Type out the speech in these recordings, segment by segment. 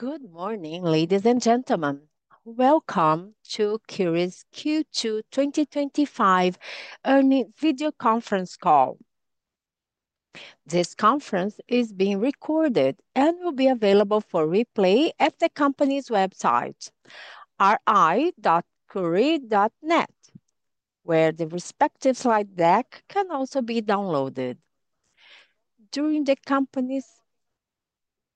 Good morning, ladies and gentlemen. Welcome to Cury's Q2 2025 earnings video conference call. This conference is being recorded and will be available for replay at the company's website, ri.cury.net, where the respective slide deck can also be downloaded.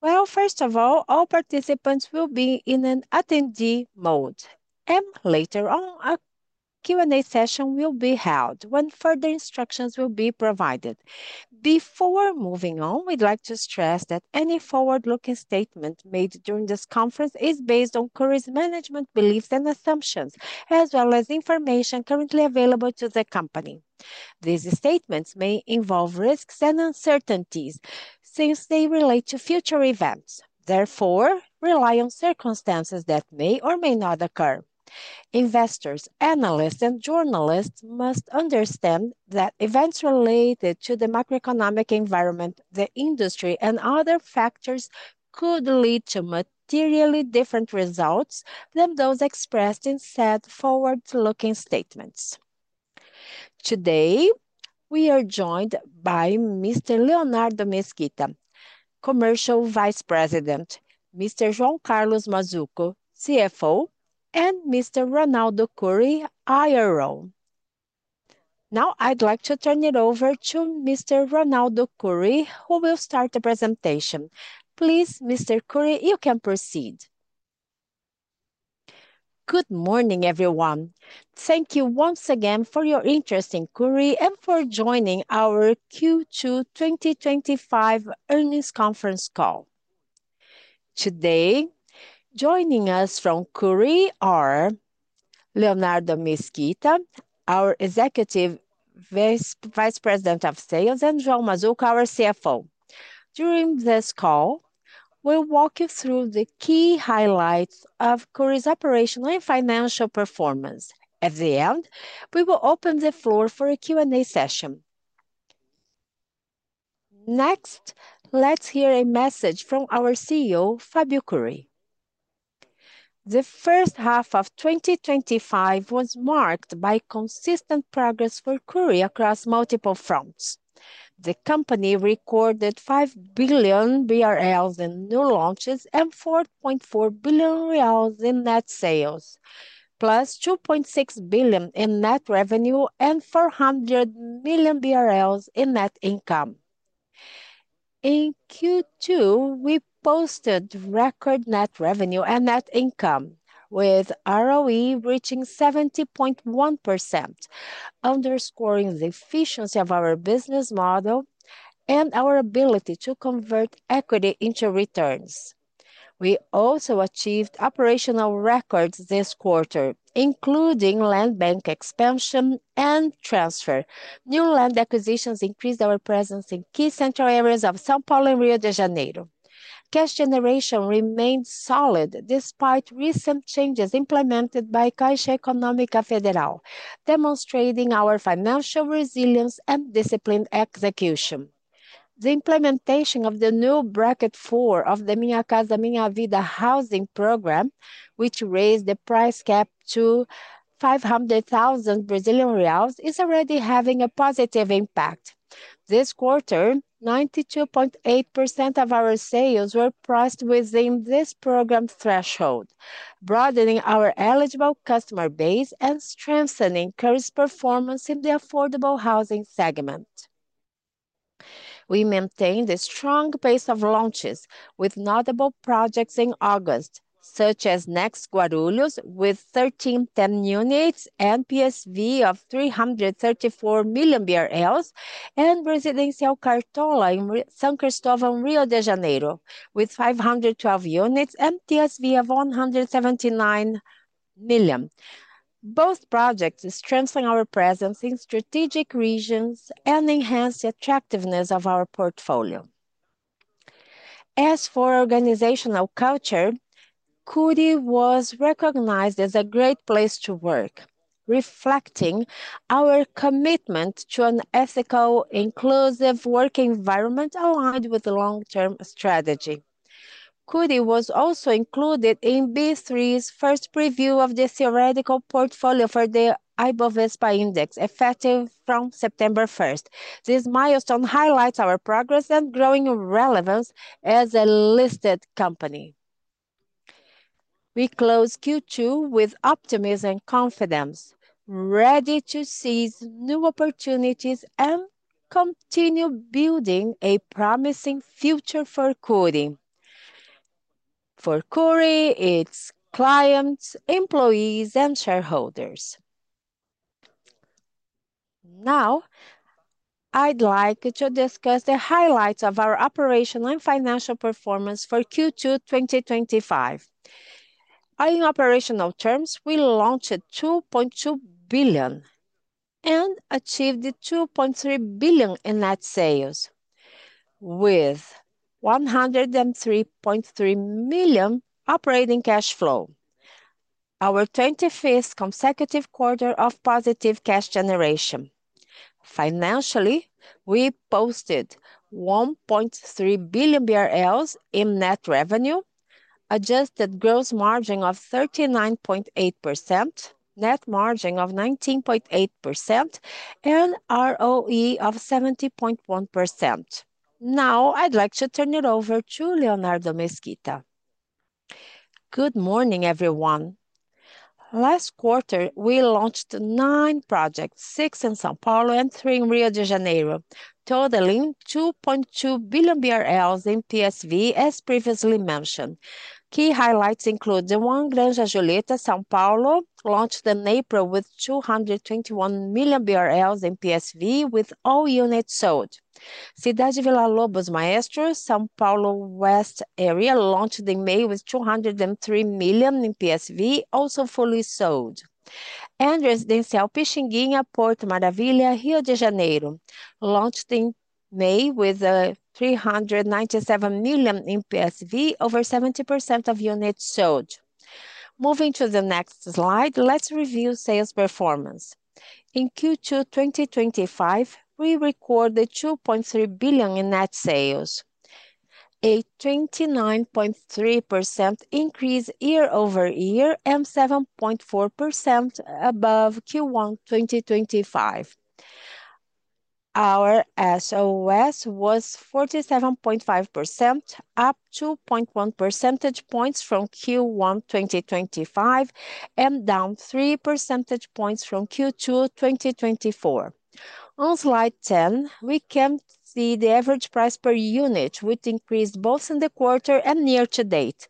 All participants will be in attendee mode, and later on, a Q&A session will be held when further instructions will be provided. Before moving on, we'd like to stress that any forward-looking statement made during this conference is based on Cury's management beliefs and assumptions, as well as information currently available to the company. These statements may involve risks and uncertainties since they relate to future events. Therefore, rely on circumstances that may or may not occur. Investors, analysts, and journalists must understand that events related to the macroeconomic environment, the industry, and other factors could lead to materially different results than those expressed in said forward-looking statements. Today, we are joined by Mr. Leonardo Mesquita, Commercial Vice President of Sales, Mr. João Carlos Mazzuco, CFO, and Mr. Ronaldo Cury, IRO. Now, I'd like to turn it over to Mr. Ronaldo Cury, who will start the presentation. Please, Mr. Cury, you can proceed. Good morning, everyone. Thank you once again for your interest in Cury and for joining our Q2 2025 earnings conference call. Today, joining us from Cury are Leonardo Mesquita, our Executive Vice President of Sales, and João Carlos Mazzuco, our CFO. During this call, we'll walk you through the key highlights of Cury's operational and financial performance. At the end, we will open the floor for a Q&A session. Next, let's hear a message from our CEO, Fàbio Cury. The first half of 2025 was marked by consistent progress for Cury across multiple fronts. The company recorded 5 billion BRL in new launches and 4.4 billion reais in net sales, +2.6 billion in net revenue and 400 million BRL in net income. In Q2, we posted record net revenue and net income, with ROE reaching 70.1%, underscoring the efficiency of our business model and our ability to convert equity into returns. We also achieved operational records this quarter, including land bank expansion and transfer. New land acquisitions increased our presence in key central areas of São Paulo and Rio de Janeiro. Cash generation remained solid despite recent changes implemented by Caixa Econômica Federal, demonstrating our financial resilience and disciplined execution. The implementation of the new Bracket 4 of the Minha Casa, Minha Vida housing program, which raised the price cap to 500,000 Brazilian reais, is already having a positive impact. This quarter, 92.8% of our sales were priced within this program's threshold, broadening our eligible customer base and strengthening Cury's performance in the affordable housing segment. We maintained a strong base of launches, with notable projects in August, such as Next Guarulhos, with 1,310 units and PSV of 334 million BRL, and Residencial Cartola in São Cristóvão, Rio de Janeiro, with 512 units and PSV of 179 million. Both projects strengthen our presence in strategic regions and enhance the attractiveness of our portfolio. As for organizational culture, Cury was recognized as a Great Place to Work, reflecting our commitment to an ethical, inclusive work environment aligned with the long-term strategy. Cury was also included in B3's first preview of the theoretical portfolio for the IBOVESPA Index, effective from September 1st. This milestone highlights our progress and growing relevance as a listed company. We close Q2 with optimism and confidence, ready to seize new opportunities and continue building a promising future for Cury, its clients, employees, and shareholders. Now, I'd like to discuss the highlights of our operational and financial performance for Q2 2025. In operational terms, we launched at 2.2 billion and achieved 2.3 billion in net sales, with 103.3 million operating cash flow. Our 25th consecutive quarter of positive cash generation. Financially, we posted 1.3 billion BRL in net revenue, adjusted gross margin of 39.8%, net margin of 19.8%, and ROE of 70.1%. Now, I'd like to turn it over to Leonardo Mesquita. Good morning, everyone. Last quarter, we launched nine projects, six in São Paulo and three in Rio de Janeiro, totaling 2.2 billion BRL in PSV, as previously mentioned. Key highlights include the One Granja Julieta, São Paulo, launched in April with 221 million BRL in PSV, with all units sold. Cidade Villa Lobos - Maestro, São Paulo West Area, launched in May with 203 million in PSV, also fully sold. And Residencial Pixinguinha, Porto Maravilha, Rio de Janeiro, launched in May with 397 million in PSV, over 70% of units sold. Moving to the next slide, let's review sales performance. In Q2 2025, we recorded 2.3 billion in net sales, a 29.3% increase year-over-year and 7.4% above Q1 2025. Our SOS was 47.5%, up 2.1 percentage points from Q1 2025 and down 3 percentage points from Q2 2024. On slide 10, we can see the average price per unit, which increased both in the quarter and year-to-date.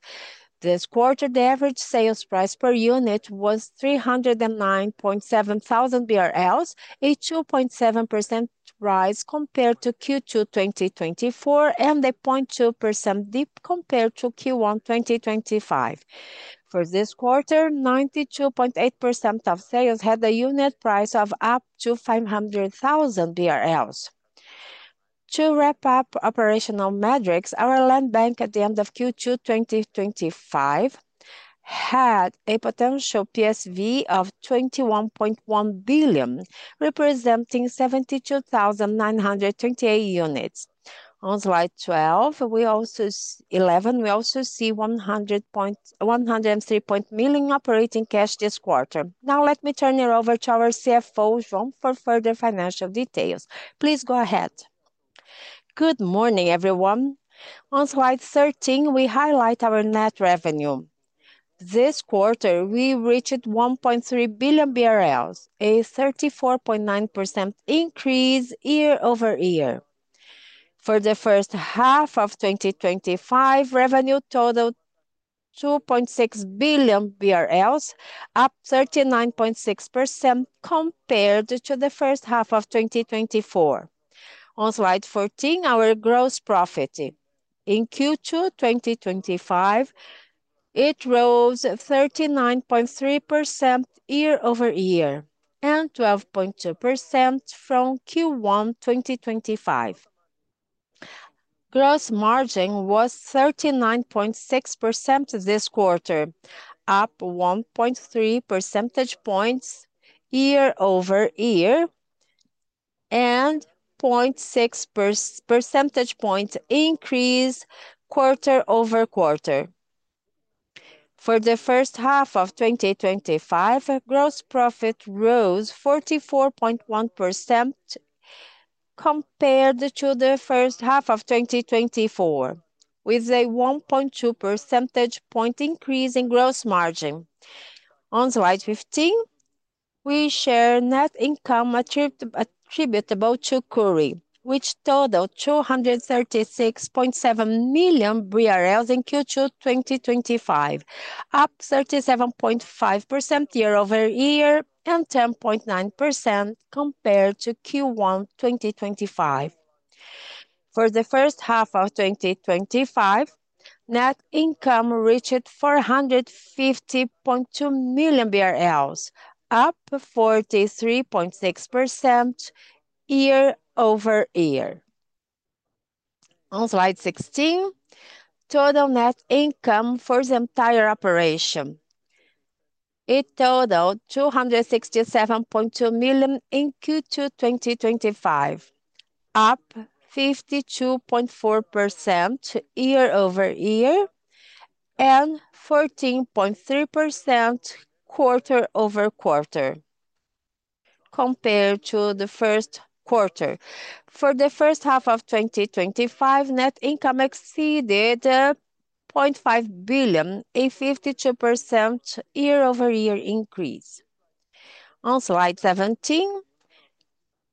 This quarter, the average sales price per unit was 309,700 BRL, a 2.7% rise compared to Q2 2024 and a 0.2% dip compared to Q1 2025. For this quarter, 92.8% of sales had a unit price of up to 500,000 BRL. To wrap up operational metrics, our land bank at the end of Q2 2025 had a potential PSV of 21.1 billion, representing 72,928 units. On slide 12, we also see 103.1 million operating cash this quarter. Now, let me turn it over to our CFO, João, for further financial details. Please go ahead. Good morning, everyone. On slide 13, we highlight our net revenue. This quarter, we reached 1.3 billion BRL, a 34.9% increase year-over-year. For the first half of 2025, revenue totaled BRL 2.6 billion, up 39.6% compared to the first half of 2024. On slide 14, our gross profit. In Q2 2025, it rose 39.3% year-over-year and 12.2% from Q1 2025. Gross margin was 39.6% this quarter, up 1.3 percentage points year-over-year and a 0.6 percentage point increase quarter-over-quarter. For the first half of 2025, gross profit rose 44.1% compared to the first half of 2024, with a 1.2 percentage point increase in gross margin. On slide 15, we share net income attributable to Cury, which totaled 236.7 million BRL in Q2 2025, up 37.5% year-over-year and 10.9% compared to Q1 2025. For the first half of 2025, net income reached 450.2 million BRL, up 43.6% year-over-year. On slide 16, total net income for the entire operation. It totaled 267.2 million in Q2 2025, up 52.4% year-ove- year and 14.3% quarter over quarter compared to the first quarter. For the first half of 2025, net income exceeded 0.5 billion in a 52% year-over-year increase. On slide 17,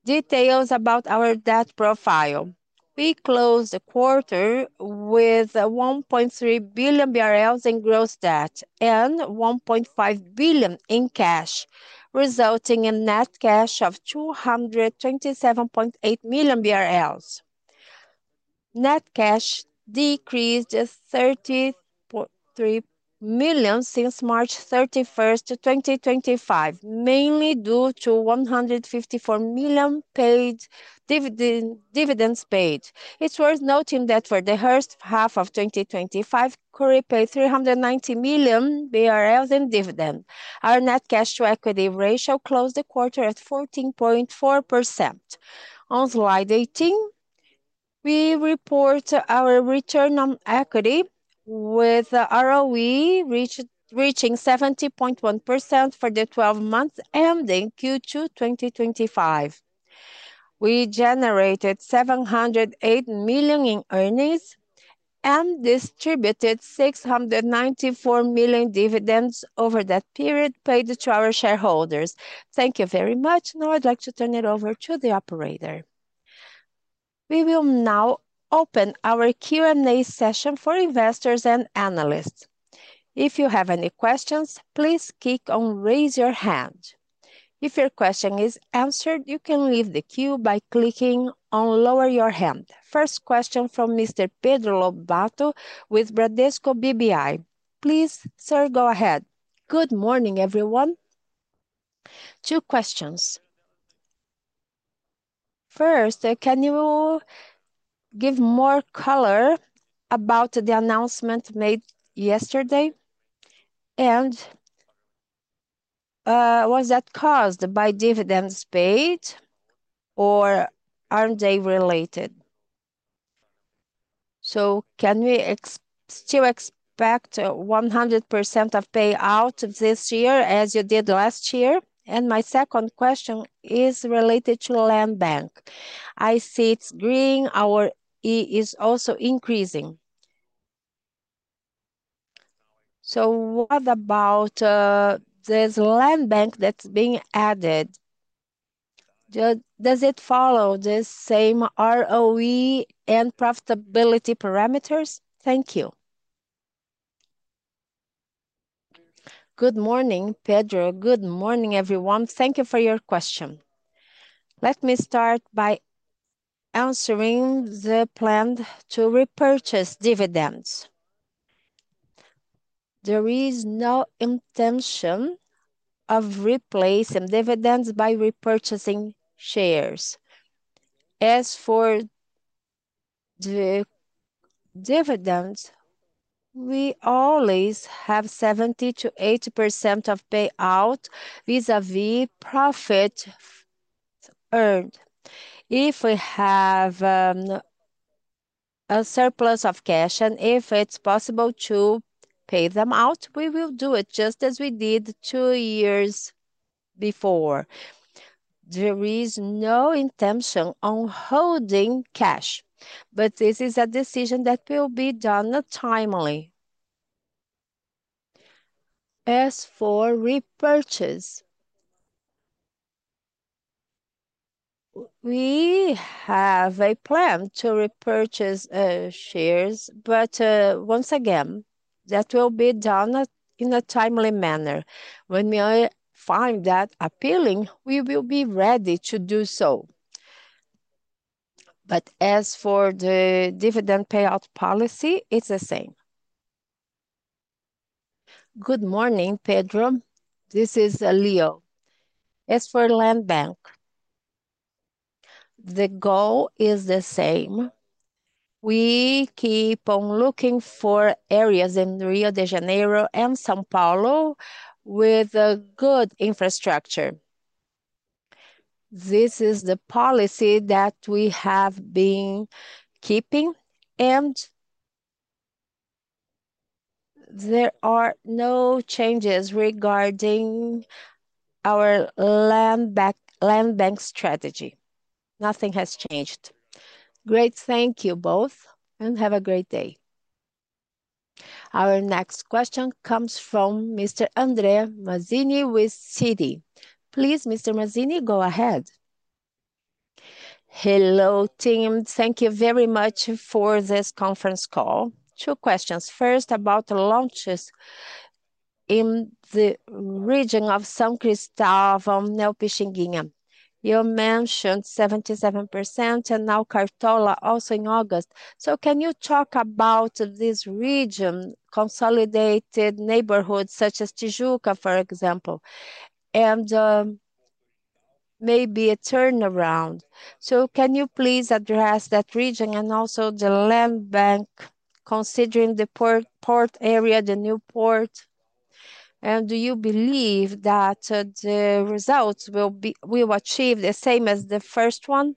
details about our debt profile. We closed the quarter with 1.3 billion BRL in gross debt and 1.5 billion in cash, resulting in net cash of 227.8 million BRL. Net cash decreased 33.3% since March 31st, 2025, mainly due to 154 million dividends paid. It's worth noting that for the first half of 2025, Cury paid 390 million BRL in dividends. Our net cash to equity ratio closed the quarter at 14.4%. On slide 18, we report our return on equity with ROE reaching 70.1% for the 12 months ending Q2 2025. We generated 708 million in earnings and distributed 694 million dividends over that period paid to our shareholders. Thank you very much. Now I'd like to turn it over to the operator. We will now open our Q&A session for investors and analysts. If you have any questions, please click on raise your hand. If your question is answered, you can leave the queue by clicking on lower your hand. First question from Mr. Pedro Lobato with Bradesco BBI. Please, sir, go ahead. Good morning, everyone. Two questions. First, can you give more color about the announcement made yesterday? Was that caused by dividends paid or are they related? Can we still expect 100% of payout this year as you did last year? My second question is related to land bank. I see it's green. Our ROE is also increasing. What about this land bank that's being added? Does it follow the same ROE and profitability parameters? Thank you. Good morning, Pedro. Good morning, everyone. Thank you for your question. Let me start by answering the plan to repurchase dividends. There is no intention of replacing dividends by repurchasing shares. As for the dividends, we always have 70%-80% of payout vis-à-vis profit earned. If we have a surplus of cash and if it's possible to pay them out, we will do it just as we did two years before. There is no intention on holding cash, but this is a decision that will be done timely. As for repurchase, we have a plan to repurchase shares, but once again, that will be done in a timely manner. When we find that appealing, we will be ready to do so. As for the dividend payout policy, it's the same. Good morning, Pedro. This is Leo. As for land bank, the goal is the same. We keep on looking for areas in Rio de Janeiro and São Paulo with good infrastructure. This is the policy that we have been keeping, and there are no changes regarding our land bank strategy. Nothing has changed. Great. Thank you both, and have a great day. Our next question comes from Mr. Andre Mazini with Citi. Please, Mr. Mazini, go ahead. Hello, team. Thank you very much for this conference call. Two questions. First, about the launches in the region of São Cristóvão and Pixinguinha. You mentioned 77% and now Cartola, also in August. Can you talk about this region, consolidated neighborhoods such as Tijuca, for example, and maybe a turnaround? Can you please address that region and also the land bank considering the port area, the new port? Do you believe that the results will be achieved the same as the first one?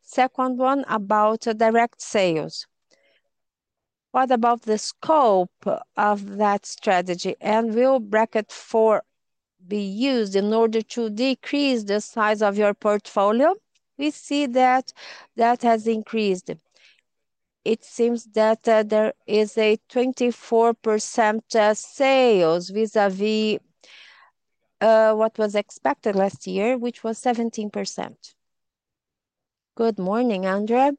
Second one, about direct sales. What about the scope of that strategy? Will Bracket 4 be used in order to decrease the size of your portfolio? We see that that has increased. It seems that there is a 24% sales vis-à-vis what was expected last year, which was 17%. Good morning, Andrea.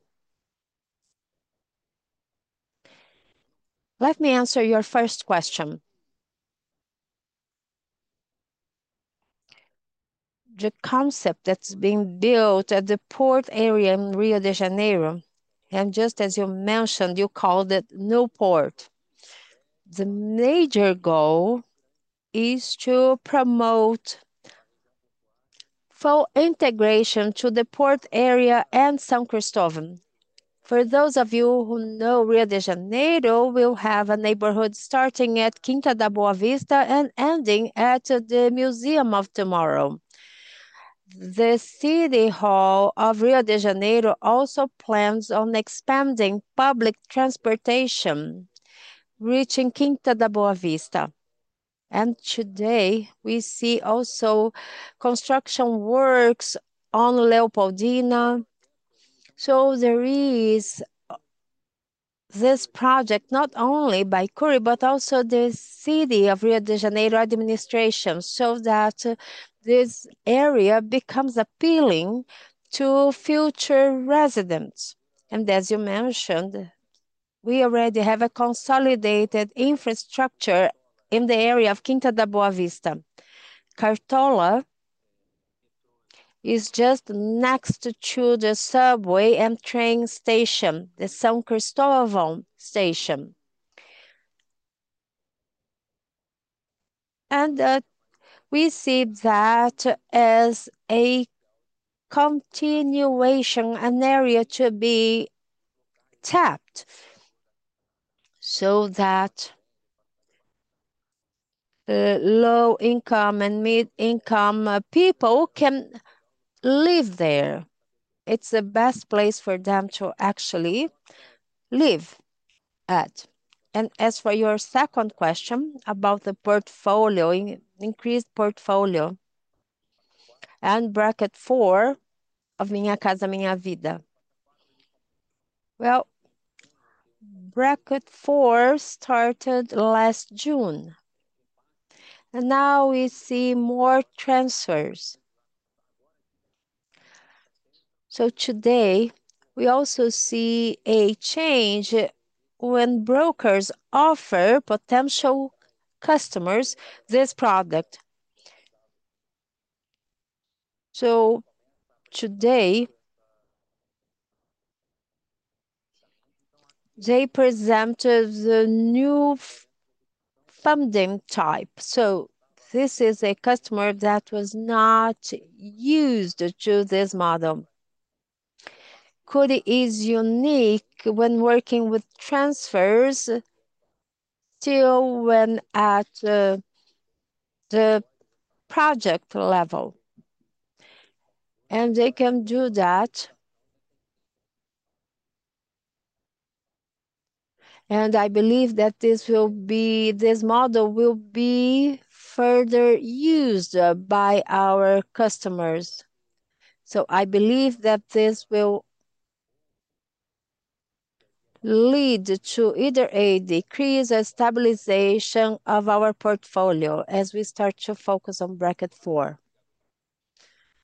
Let me answer your first question. The concept that's being built at the port area in Rio de Janeiro, and just as you mentioned, you called it new port. The major goal is to promote full integration to the port area and São Cristóvão. For those of you who know Rio de Janeiro, we'll have a neighborhood starting at Quinta da Boa Vista and ending at the Museum of Tomorrow. The City Hall of Rio de Janeiro also plans on expanding public transportation, reaching Quinta da Boa Vista. Today, we see also construction works on Leopoldina. There is this project not only by Cury, but also the City of Rio de Janeiro administration so that this area becomes appealing to future residents. As you mentioned, we already have a consolidated infrastructure in the area of Quinta da Boa Vista. Cartola is just next to the subway and train station, the São Cristóvão station. We see that as a continuation, an area to be tapped so that low-income and mid-income people can live there. It's the best place for them to actually live at. As for your second question about the portfolio, increased portfolio and Bracket 4 of Minha Casa, Minha Vida. Bracket 4 started last June. Now we see more transfers. Today, we also see a change when brokers offer potential customers this product. Today, they presented the new funding type. This is a customer that was not used to this model. Cury is unique when working with transfers till when at the project level. They can do that. I believe that this model will be further used by our customers. I believe that this will lead to either a decrease or a stabilization of our portfolio as we start to focus on Bracket 4.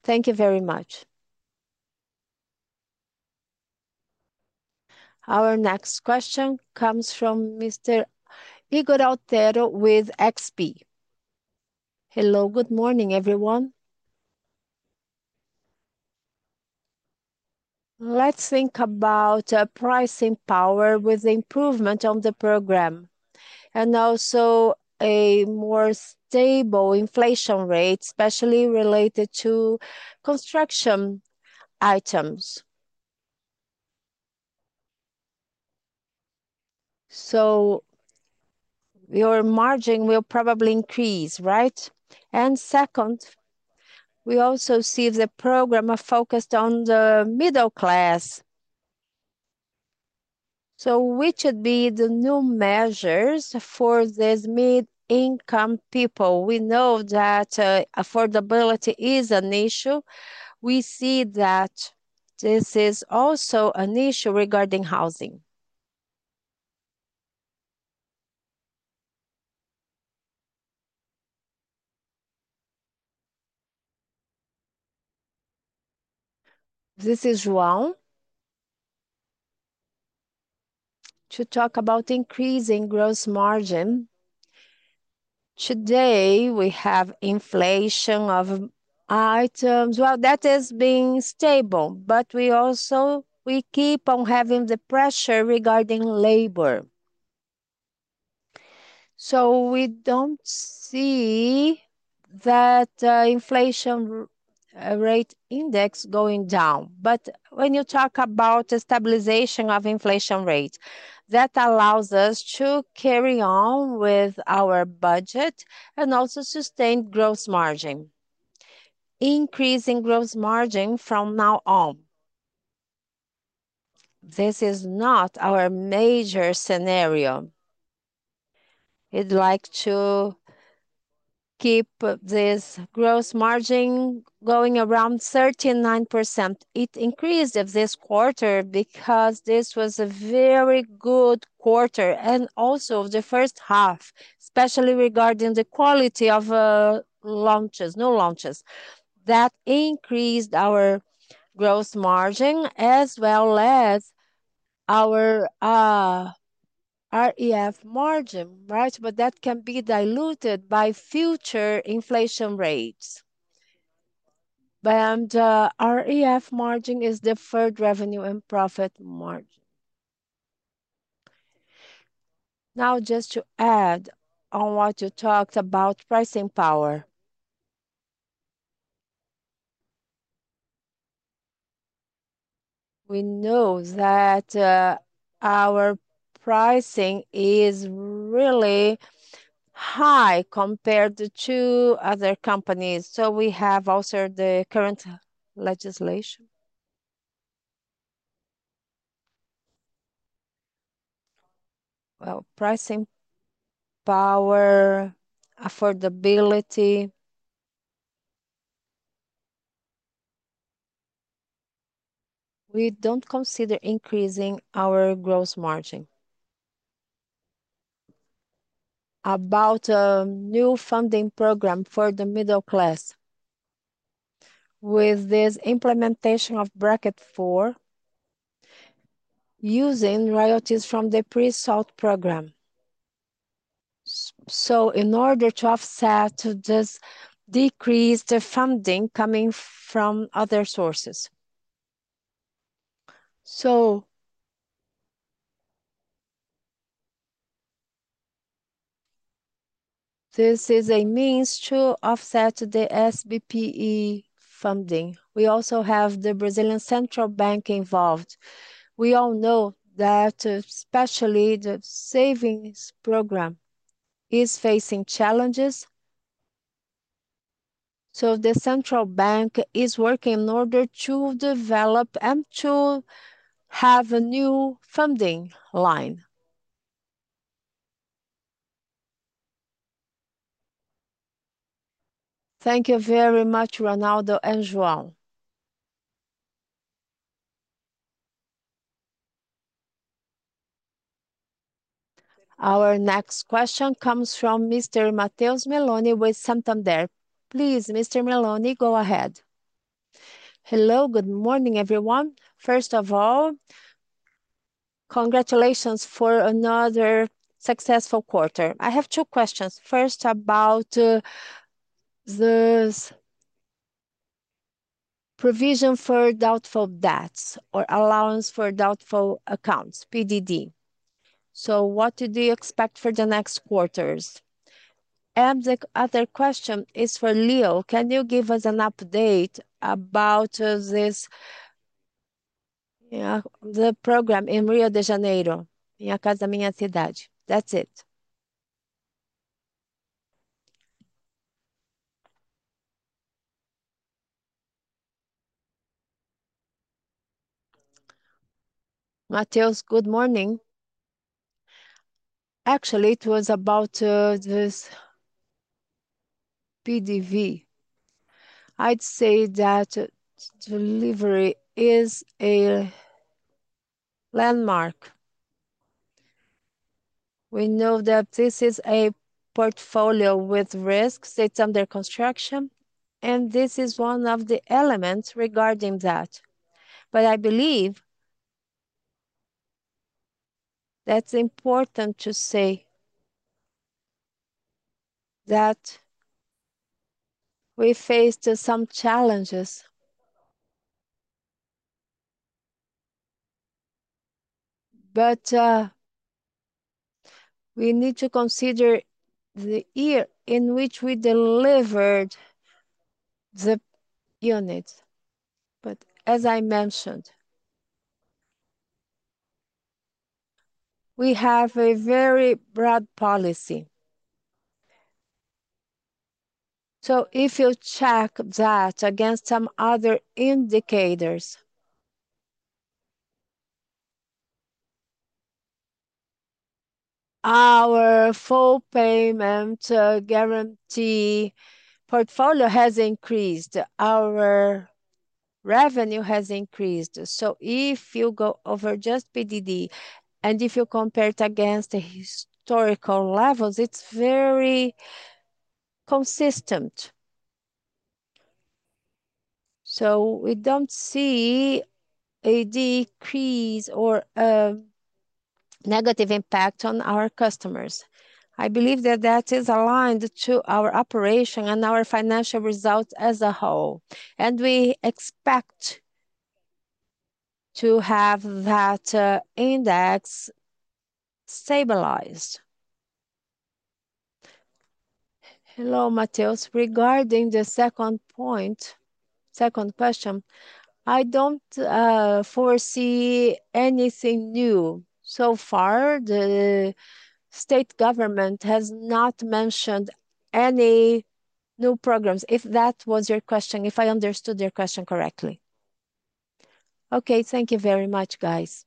Thank you very much. Our next question comes from Mr. Ygor Altero with XP. Hello. Good morning, everyone. Let's think about pricing power with the improvement of the program and also a more stable inflation rate, especially related to construction items. Your margin will probably increase, right? Second, we also see the program focused on the middle class. Which would be the new measures for these mid-income people? We know that affordability is an issue. We see that this is also an issue regarding housing. This is João to talk about increasing gross margin. Today, we have inflation of items. That has been stable, but we also keep on having the pressure regarding labor. We don't see that inflation rate index going down. When you talk about the stabilization of inflation rate, that allows us to carry on with our budget and also sustain gross margin. Increasing gross margin from now on is not our major scenario. We'd like to keep this gross margin going around 39%. It increased this quarter because this was a very good quarter and also the first half, especially regarding the quality of launches, new launches that increased our gross margin as well as our REF margin, right? That can be diluted by future inflation rates. REF margin is the third revenue and profit margin. Just to add on what you talked about pricing power, we know that our pricing is really high compared to other companies. We have also the current legislation. Pricing power, affordability. We don't consider increasing our gross margin. About a new funding program for the middle class, with this implementation of Bracket 4, using royalties from the pre-sold program in order to offset this decreased funding coming from other sources. This is a means to offset the SBPE funding. We also have the Brazilian Central Bank involved. We all know that especially the savings program is facing challenges. The Central Bank is working in order to develop and to have a new funding line. Thank you very much, Ronaldo and João. Our next question comes from Mr. Matheus Meloni with Santander. Please, Mr. Meloni, go ahead. Hello. Good morning, everyone. First of all, congratulations for another successful quarter. I have two questions. First, about the provision for doubtful debts or allowance for doubtful accounts, PDD. What do you expect for the next quarters? The other question is for Leo. Can you give us an update about this, the program in Rio de Janeiro? Minha Casa, Minha Cidade. That's it. Matheus, good morning. Actually, it was about this PDV. I'd say that delivery is a landmark. We know that this is a portfolio with risks. It's under construction, and this is one of the elements regarding that. I believe that's important to say that we faced some challenges. We need to consider the year in which we delivered the units. As I mentioned, we have a very broad policy. If you check that against some other indicators, our full payment guarantee portfolio has increased. Our revenue has increased. If you go over just PDD, and if you compare it against the historical levels, it's very consistent. We don't see a decrease or a negative impact on our customers. I believe that is aligned to our operation and our financial results as a whole. We expect to have that index stabilized. Hello, Mateus. Regarding the second point, second question, I don't foresee anything new. So far, the state government has not mentioned any new programs, if that was your question, if I understood your question correctly. Thank you very much, guys.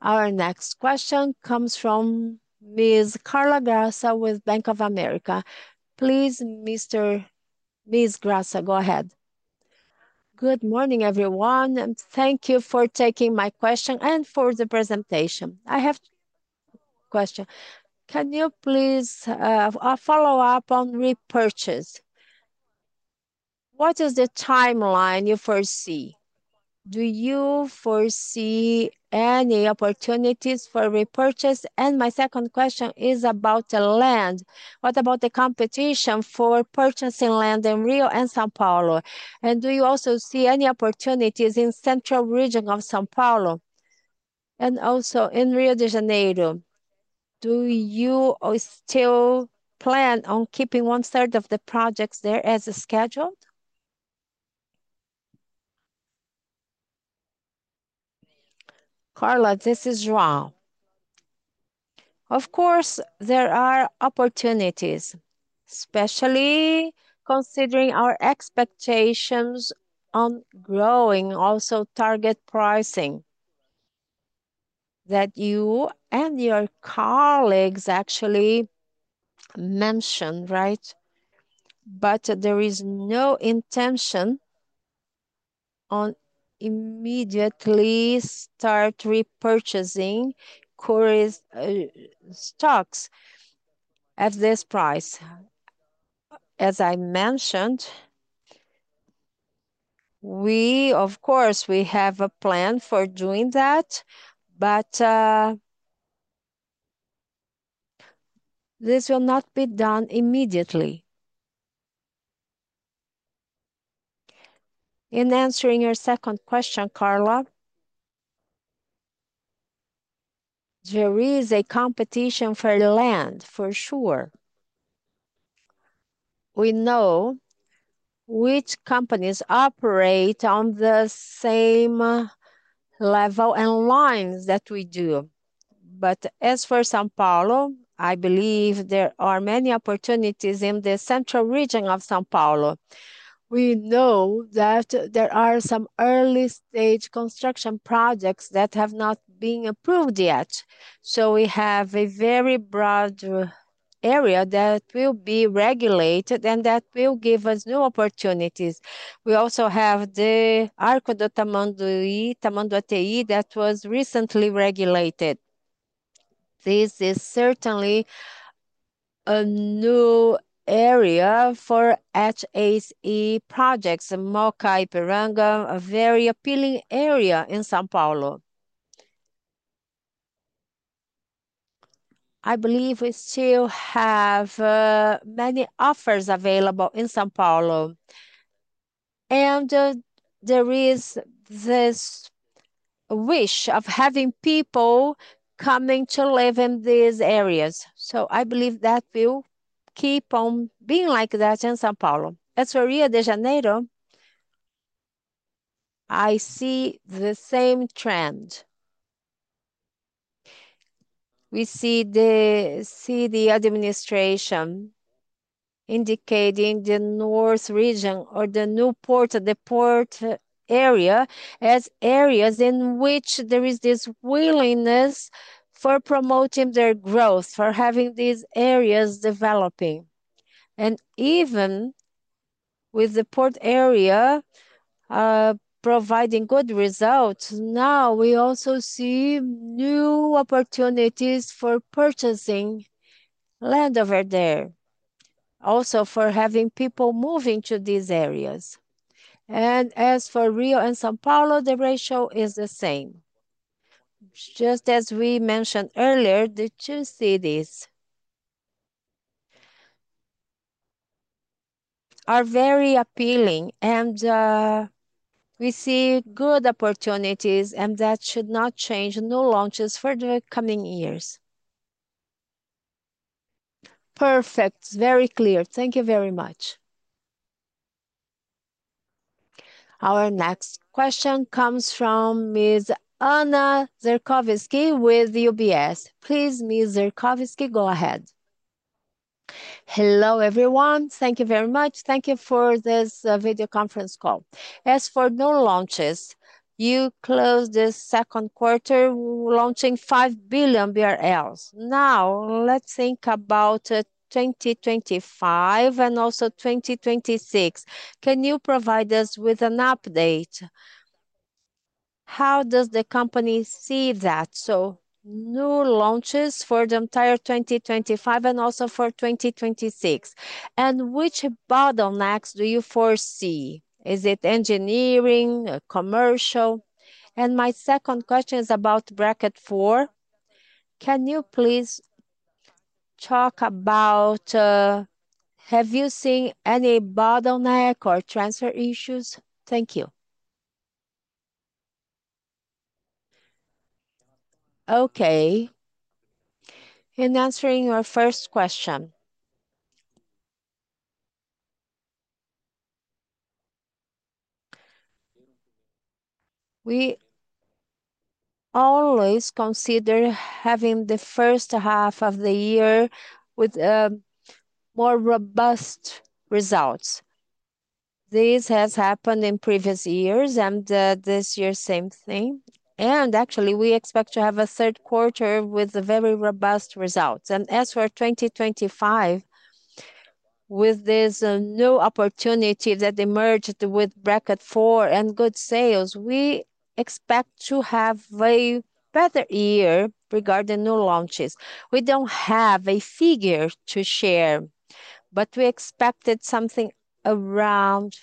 Our next question comes from Ms. Carla Graça with Bank of America. Please, Ms. Graça, go ahead. Good morning, everyone. Thank you for taking my question and for the presentation. I have a question. Can you please follow up on repurchase? What is the timeline you foresee? Do you foresee any opportunities for repurchase? My second question is about the land. What about the competition for purchasing land in Rio and São Paulo? Do you also see any opportunities in the central region of São Paulo and also in Rio de Janeiro? Do you still plan on keeping 1/3 of the projects there as scheduled? Carla, this is João. Of course, there are opportunities, especially considering our expectations on growing, also target pricing that you and your colleagues actually mentioned, right? There is no intention on immediately start repurchasing Cury's stocks at this price. As I mentioned, we, of course, have a plan for doing that, but this will not be done immediately. In answering your second question, Carla, there is a competition for land, for sure. We know which companies operate on the same level and lines that we do. As for São Paulo, I believe there are many opportunities in the central region of São Paulo. We know that there are some early-stage construction projects that have not been approved yet. We have a very broad area that will be regulated and that will give us new opportunities. We also have the Arco do Tamanduateí that was recently regulated. This is certainly a new area for HSE projects, Mooca, Ipiranga, a very appealing area in São Paulo. I believe we still have many offers available in São Paulo. There is this wish of having people coming to live in these areas. I believe that will keep on being like that in São Paulo. As for Rio de Janeiro, I see the same trend. We see the city administration indicating the north region or the new port, the port area, as areas in which there is this willingness for promoting their growth, for having these areas developing. Even with the port area providing good results, now we also see new opportunities for purchasing land over there, also for having people moving to these areas. As for Rio and São Paulo, the ratio is the same. Just as we mentioned earlier, the two cities are very appealing, and we see good opportunities, and that should not change new launches for the coming years. Perfect. Very clear. Thank you very much. Our next question comes from Ms. Ana Zerkowski with UBS. Please, Ms. Zerkowski, go ahead. Hello, everyone. Thank you very much. Thank you for this video conference call. As for new launches, you closed the second quarter launching 5 billion BRL. Now, let's think about 2025 and also 2026. Can you provide us with an update? How does the company see that? New launches for the entire 2025 and also for 2026. Which bottlenecks do you foresee? Is it engineering, commercial? My second question is about Bracket 4. Can you please talk about, have you seen any bottleneck or transfer issues? Thank you. In answering your first question, we always consider having the first half of the year with more robust results. This has happened in previous years, and this year, same thing. Actually, we expect to have a third quarter with very robust results. As for 2025, with this new opportunity that emerged with Bracket 4 and good sales, we expect to have a better year regarding new launches. We don't have a figure to share, but we expected something around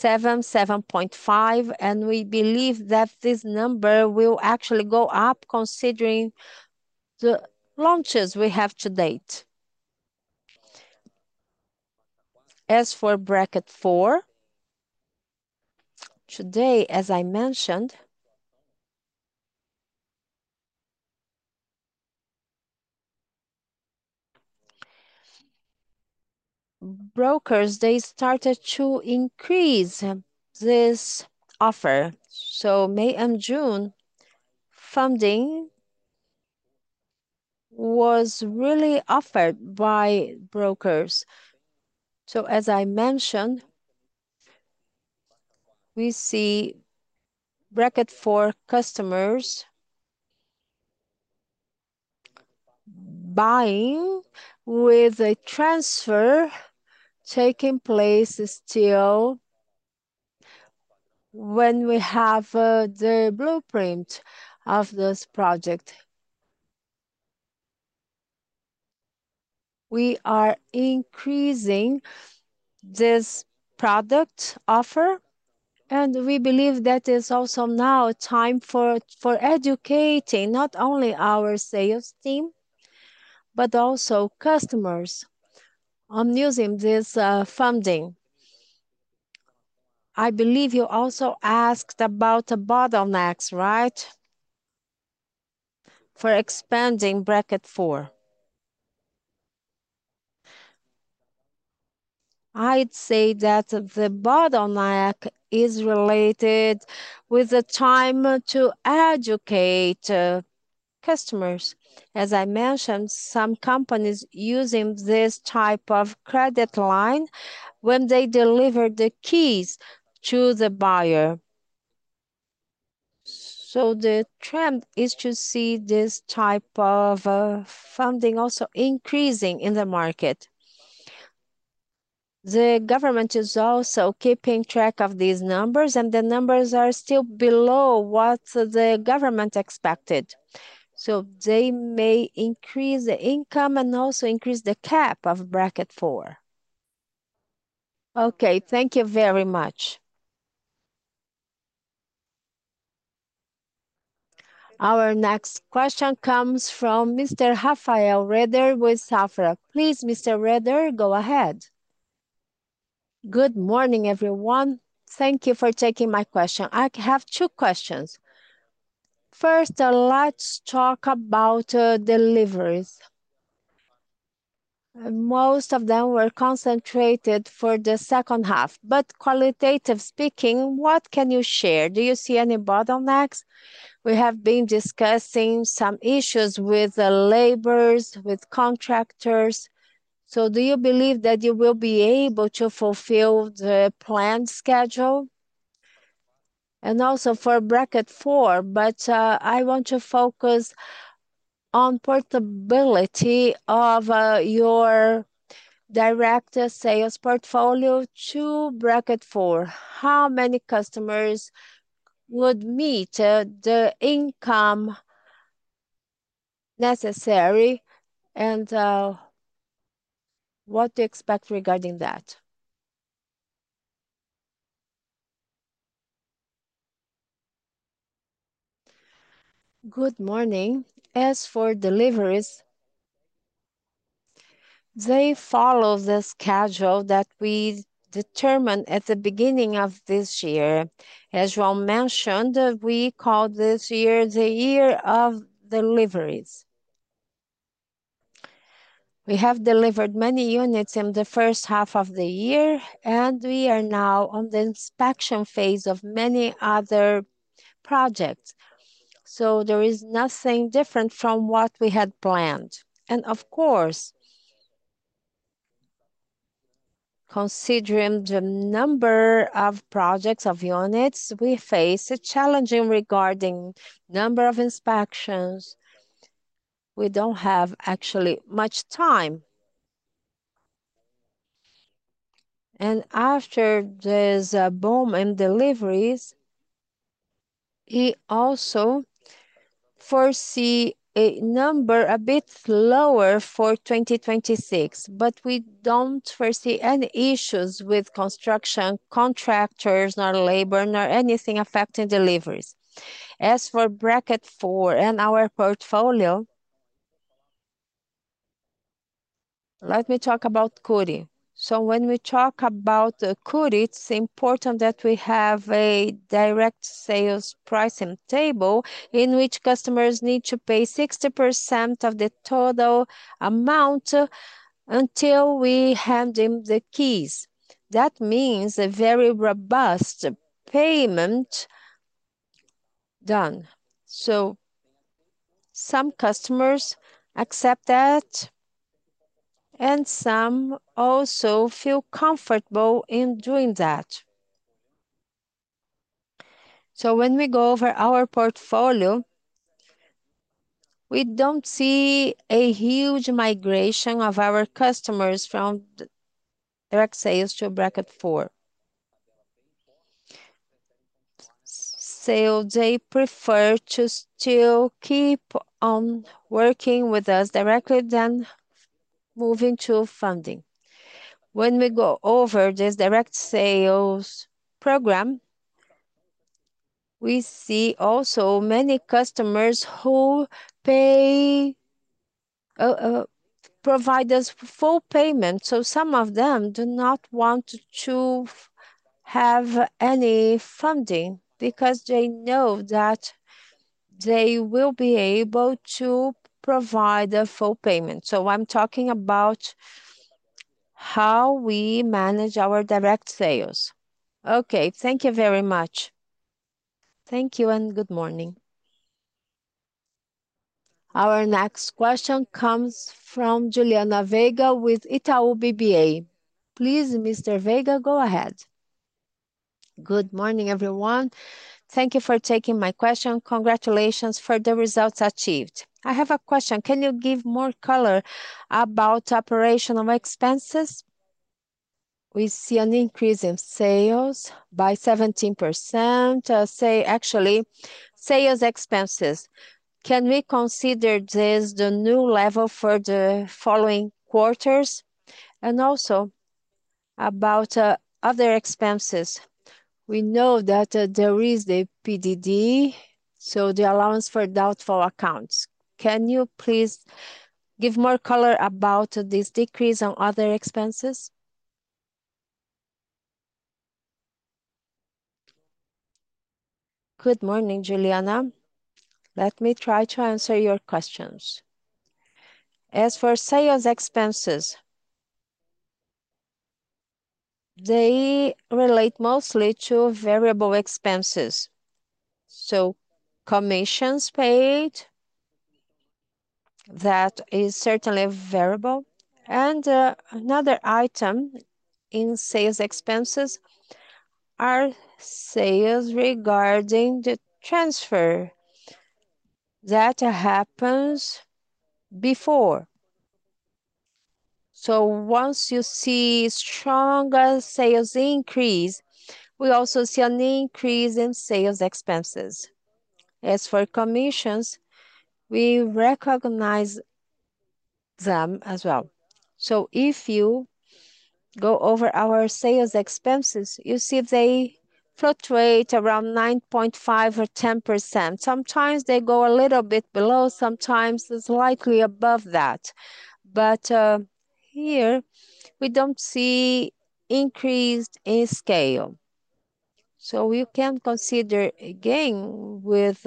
7%, 7.5%, and we believe that this number will actually go up considering the launches we have to date. As for Bracket 4, today, as I mentioned, brokers, they started to increase this offer. May and June, funding was really offered by brokers. As I mentioned, we see Bracket 4 customers buying with a transfer taking place still when we have the blueprint of this project. We are increasing this product offer, and we believe that is also now time for educating not only our sales team, but also customers on using this funding. I believe you also asked about the bottlenecks, right? For expanding Bracket 4. I'd say that the bottleneck is related with the time to educate customers. As I mentioned, some companies are using this type of credit line when they deliver the keys to the buyer. The trend is to see this type of funding also increasing in the market. The government is also keeping track of these numbers, and the numbers are still below what the government expected. They may increase the income and also increase the cap of Bracket 4. Thank you very much. Our next question comes from Mr. Rafael Rehder with Safra. Please, Mr. Rehder, go ahead. Good morning, everyone. Thank you for taking my question.I have two questions. First, let's talk about deliveries. Most of them were concentrated for the second half. Qualitatively speaking, what can you share? Do you see any bottlenecks? We have been discussing some issues with the laborers, with contractors. Do you believe that you will be able to fulfill the planned schedule? Also for Bracket 4, I want to focus on the portability of your direct sales portfolio to Bracket 4. How many customers would meet the income necessary and what to expect regarding that? Good morning. As for deliveries, they follow the schedule that we determined at the beginning of this year. As João mentioned, we call this year the year of deliveries. We have delivered many units in the first half of the year, and we are now on the inspection phase of many other projects. There is nothing different from what we had planned. Of course, considering the number of projects of units we face, it's challenging regarding the number of inspections. We don't have actually much time. After this boom in deliveries, we also foresee a number a bit lower for 2026, but we don't foresee any issues with construction contractors, nor labor, nor anything affecting deliveries. As for Bracket 4 and our portfolio, let me talk about Cury. When we talk about Cury, it's important that we have a direct sales pricing table in which customers need to pay 60% of the total amount until we hand them the keys. That means a very robust payment done. Some customers accept that, and some also feel comfortable in doing that. When we go over our portfolio, we don't see a huge migration of our customers from direct sales to Bracket 4. They prefer to still keep on working with us directly than moving to funding. When we go over this direct sales program, we see also many customers who provide us full payment. Some of them do not want to have any funding because they know that they will be able to provide a full payment. I'm talking about how we manage our direct sales. Thank you very much. Thank you and good morning. Our next question comes from Juliana Vega with Itaú BBA. Please, Mr. Vega, go ahead. Good morning, everyone. Thank you for taking my question. Congratulations for the results achieved. I have a question. Can you give more color about operational expenses? We see an increase in sales by 17%. Say actually, sales expenses. Can we consider this the new level for the following quarters? Also, about other expenses. We know that there is the PDD, so the allowance for doubtful accounts. Can you please give more color about this decrease on other expenses? Good morning, Juliana. Let me try to answer your questions. As for sales expenses, they relate mostly to variable expenses. Commissions paid, that is certainly a variable. Another item in sales expenses are sales regarding the transfer that happens before. Once you see a strong sales increase, we also see an increase in sales expenses. As for commissions, we recognize them as well. If you go over our sales expenses, you see they fluctuate around 9.5% or 10%. Sometimes they go a little bit below, sometimes it's likely above that. Here, we don't see an increase in scale. We can consider again, if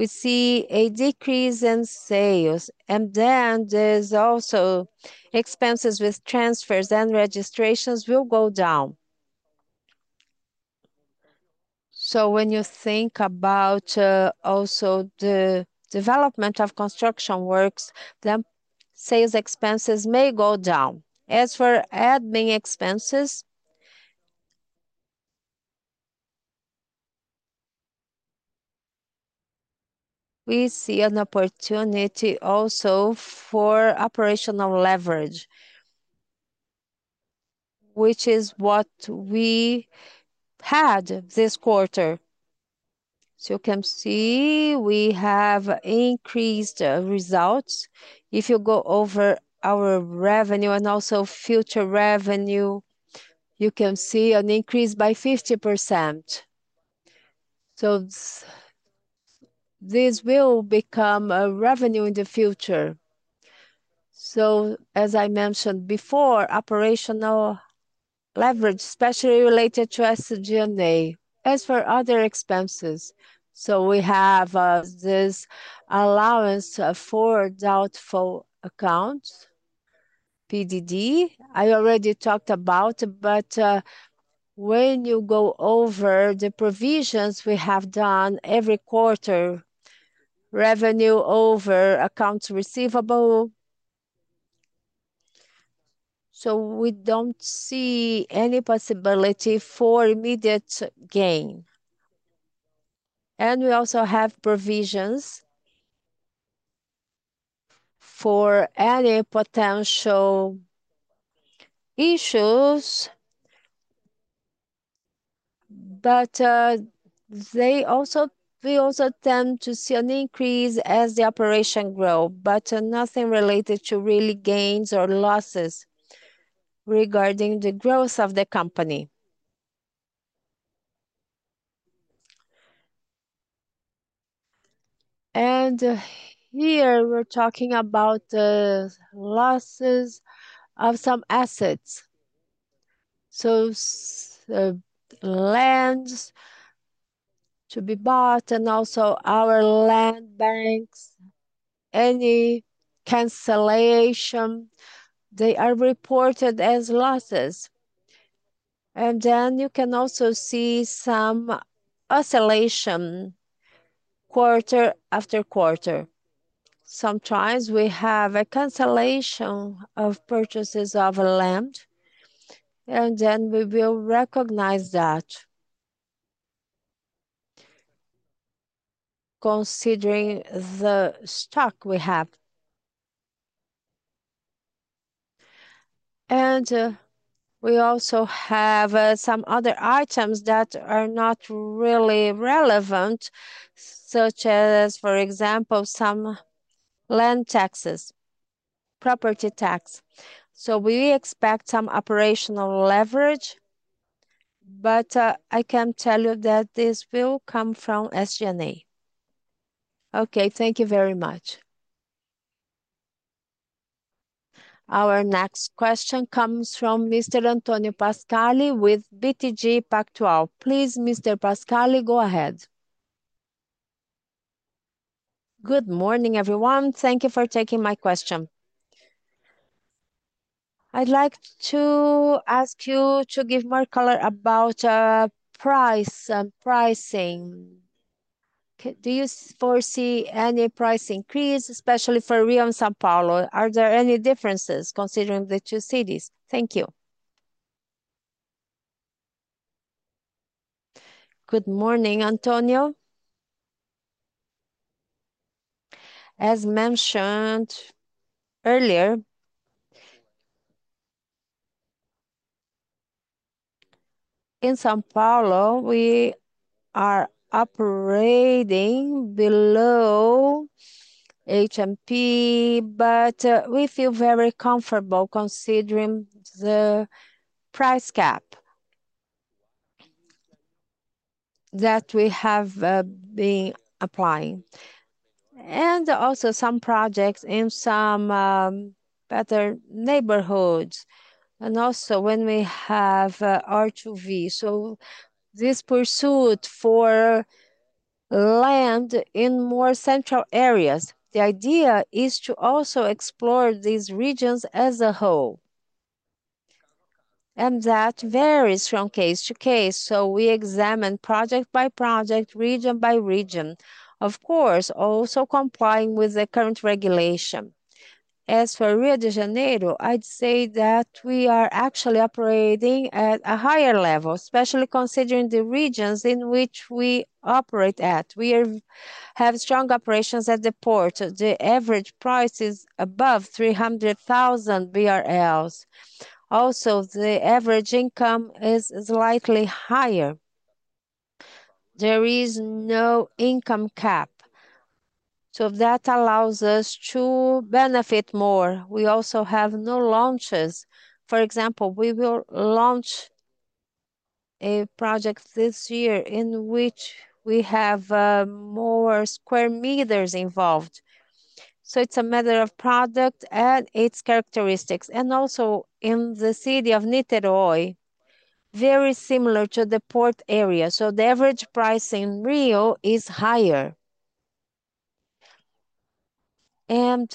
we see a decrease in sales, then there's also expenses with transfers and registrations will go down. When you think about also the development of construction works, then sales expenses may go down. As for admin expenses, we see an opportunity also for operational leverage, which is what we had this quarter. You can see we have increased results. If you go over our revenue and also future revenue, you can see an increase by 50%. This will become a revenue in the future. As I mentioned before, operational leverage, especially related to SG&A. As for other expenses, we have this allowance for doubtful accounts, PDD. I already talked about it, but when you go over the provisions we have done every quarter, revenue over accounts receivable, we don't see any possibility for immediate gain. We also have provisions for any potential issues. We also tend to see an increase as the operation grows, but nothing related to really gains or losses regarding the growth of the company. Here, we're talking about the losses of some assets. The lands to be bought and also our land banks, any cancellation, they are reported as losses. You can also see some oscillation quarter after quarter. Sometimes we have a cancellation of purchases of land, and then we will recognize that considering the stock we have. We also have some other items that are not really relevant, such as, for example, some land taxes, property tax. We expect some operational leverage, but I can tell you that this will come from SG&A. Thank you very much. Our next question comes from Mr. Antonio Pascale with BTG Pactual. Please, Mr. Pascale, go ahead. Good morning, everyone. Thank you for taking my question. I'd like to ask you to give more color about price and pricing. Do you foresee any price increase, especially for Rio and São Paulo? Are there any differences considering the two cities? Thank you. Good morning, Antonio. As mentioned earlier, in São Paulo, we are operating below HMP, but we feel very comfortable considering the price cap that we have been applying. Also, some projects in some better neighborhoods, and also when we have R2V. This pursuit for land in more central areas, the idea is to also explore these regions as a whole. That varies from case to case. We examine project by project, region by region. Of course, also complying with the current regulation. As for Rio de Janeiro, I'd say that we are actually operating at a higher level, especially considering the regions in which we operate at. We have strong operations at the port. The average price is above 300,000 BRL. Also, the average income is slightly higher. There is no income cap. That allows us to benefit more. We also have no launches. For example, we will launch a project this year in which we have more square meters involved. It's a matter of product and its characteristics. Also, in the city of Niterói, very similar to the port area. The average price in Rio is higher. At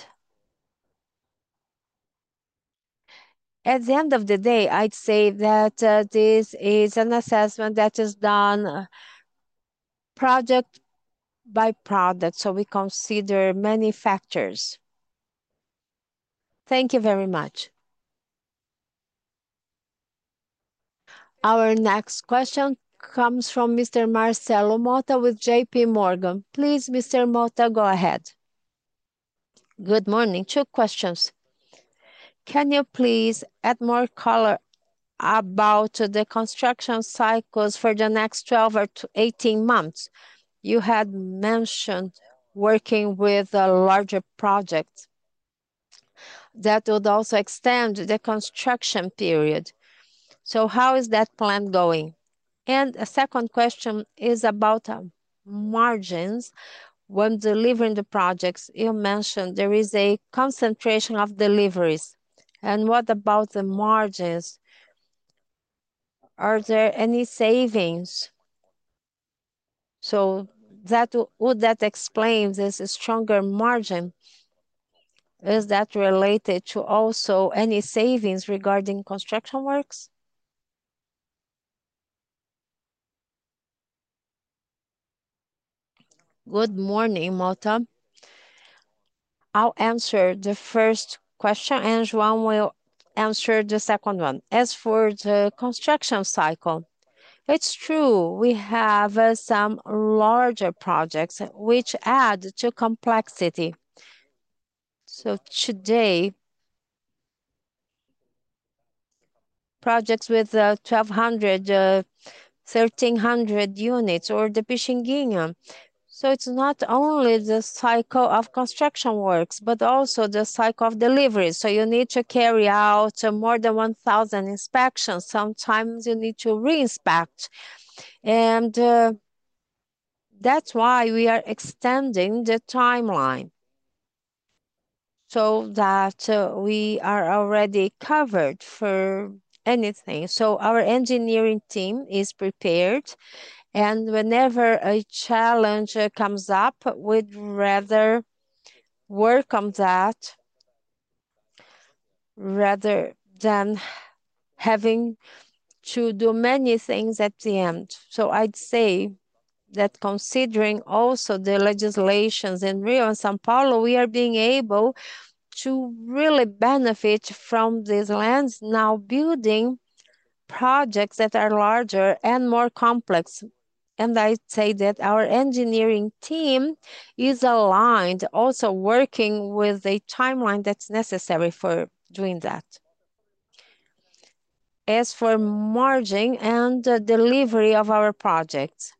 the end of the day, I'd say that this is an assessment that is done project by project. We consider many factors. Thank you very much. Our next question comes from Mr. Marcelo Motta with JPMorgan. Please, Mr. Motta, go ahead. Good morning. Two questions. Can you please add more color about the construction cycles for the next 12 or 18 months? You had mentioned working with a larger project that would also extend the construction period. How is that plan going? A second question is about margins when delivering the projects. You mentioned there is a concentration of deliveries. What about the margins? Are there any savings? Would that explain this stronger margin? Is that related to any savings regarding construction works? Good morning, Motta. I'll answer the first question, and João will answer the second one. As for the construction cycle, it's true. We have some larger projects which add to complexity. Today, projects with 1,200, 1,300 units or the Pixinguinha. It's not only the cycle of construction works, but also the cycle of delivery. You need to carry out more than 1,000 inspections. Sometimes you need to re-inspect. That's why we are extending the timeline so that we are already covered for anything. Our engineering team is prepared. Whenever a challenge comes up, we'd rather work on that rather than having to do many things at the end. I'd say that considering also the legislations in Rio de Janeiro and São Paulo, we are being able to really benefit from these lands now, building projects that are larger and more complex. I'd say that our engineering team is aligned, also working with a timeline that's necessary for doing that. As for margin and delivery of our projects,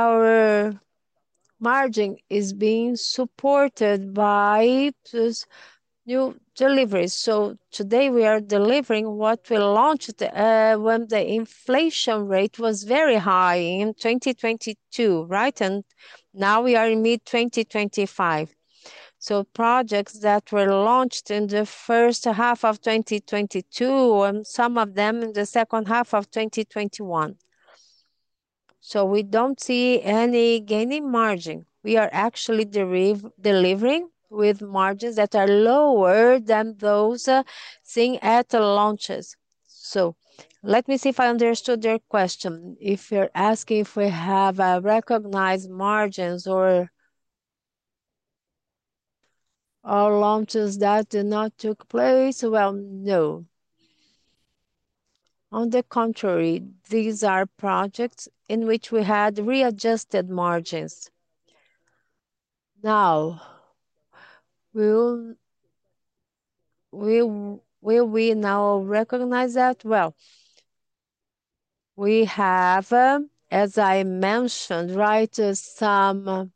our margin is being supported by these new deliveries. Today we are delivering what we launched when the inflation rate was very high in 2022, right? Now we are in mid-2025. Projects that were launched in the first half of 2022, and some of them in the second half of 2021. We don't see any gain in margin. We are actually delivering with margins that are lower than those seen at launches. Let me see if I understood your question. If you're asking if we have recognized margins or launches that did not take place, no. On the contrary, these are projects in which we had readjusted margins. Now, will we now recognize that? As I mentioned, right, some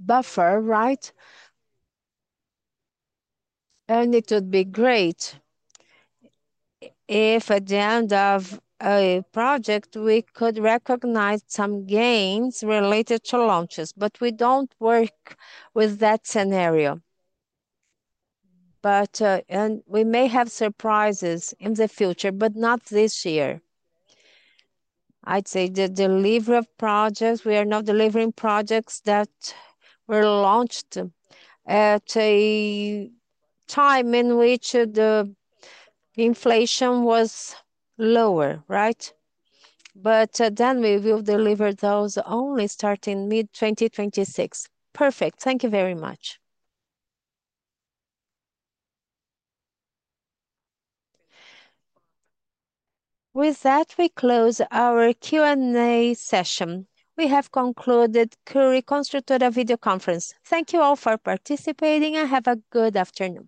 buffer, right? It would be great if at the end of a project we could recognize some gains related to launches. We don't work with that scenario. We may have surprises in the future, but not this year. I'd say the delivery of projects, we are now delivering projects that were launched at a time in which the inflation was lower, right? We will deliver those only starting mid-2026. Perfect. Thank you very much. With that, we close our Q&A session. We have concluded Cury Construtora video conference. Thank you all for participating and have a good afternoon.